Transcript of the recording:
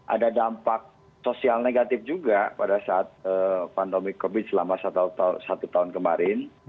ada dampak sosial negatif juga pada saat pandemi covid selama satu tahun kemarin